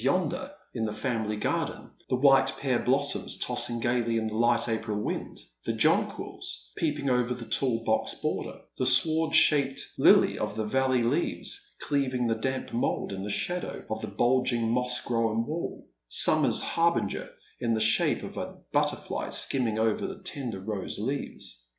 yonder in the familiar garden, the white pear blossoms tossing gaily in the light April wind, the jonquils peeping over the tall (box border, the sword shaded lil)' of the valley leaves cleaving the damp mould in the shadow of the bulging moss grown wall, Bummer's harbinger in the shape of a butterfly skimming over bhe tender rose leaves.